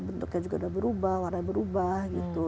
bentuknya juga udah berubah warnanya berubah gitu